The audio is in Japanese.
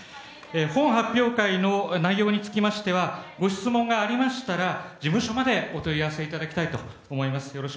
本発表会の内容につきましたらご質問がありましたら事務所までお問い合わせいただきたいと思います。